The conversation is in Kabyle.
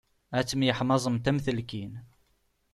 Ad temyeḥmaẓemt am telkin.